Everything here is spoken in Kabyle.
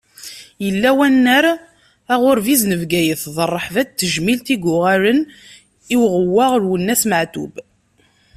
Yella unnar aɣurbiz n Bgayet, d rreḥba n tejmilt i yuɣalen i uɣewwaɣ Lwennas Meɛtub.